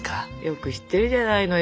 よく知ってるじゃないのよ。